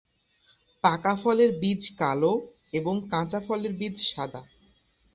পাকা ফলের বীজ কালো এবং কাঁচা ফলের বীজ সাদা।